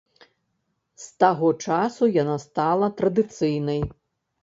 З таго часу яна стала традыцыйнай.